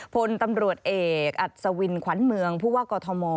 พลตำรวจเอกอัศวินขวัญเมืองผู้ว่ากอทม